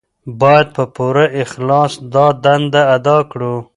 باید په پوره اخلاص دا دنده ادا کړو.